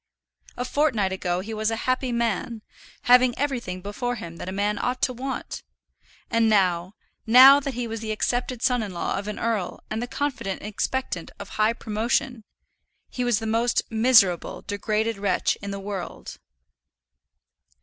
A fortnight ago he was a happy man, having everything before him that a man ought to want; and now now that he was the accepted son in law of an earl, and the confident expectant of high promotion he was the most miserable, degraded wretch in the world!